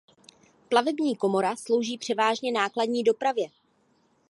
Plavební komora slouží převážně nákladní dopravě.